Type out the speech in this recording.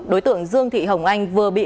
đối tượng dương thị hồng anh vừa bị